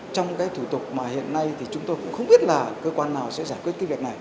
trong cái thủ tục mà hiện nay thì chúng tôi cũng không biết là cơ quan nào sẽ giải quyết cái việc này